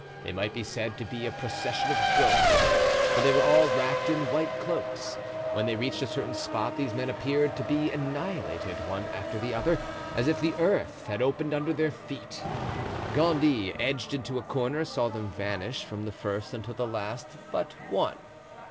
They might be said to be a procession of ghosts, for they were all wrapped in white cloaks. When they reached a certain spot these men appeared to be annihilated, one after the other, as if the earth had opened under their feet. Gondy, edged into a corner, saw them vanish from the first until the last but one.